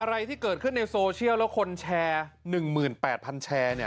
อะไรที่เกิดขึ้นในโซเชียลแล้วคนแชร์หนึ่งหมื่นแปดพันแชร์เนี่ย